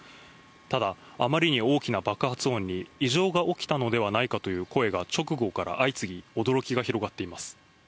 ただ、あまりに大きな爆発音に、異常が起きたのではないかという声が直後から相次ぎ、驚きが広がっています。